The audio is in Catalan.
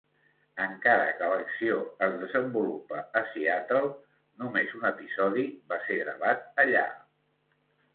Encara que l'acció es desenvolupa a Seattle, només un episodi va ser gravat allà.